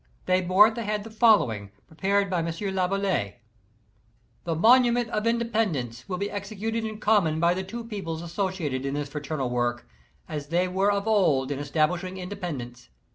They bore at the head the following, pre pared by Mr. Laboulaye : The Monument of Independence ^nll be executed in common by the two peoples associated in this fraternal work, as they were of old in establishing Independence.